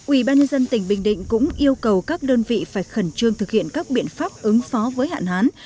ủy ban nhân dân tỉnh bình định cũng yêu cầu các đơn vị phải khẩn trương thực hiện các biện pháp ứng phó với hạn hán